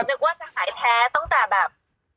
นึกว่าจะหายแท้ตั้งแต่แบบ